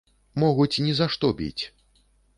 Могуць ні за што біць.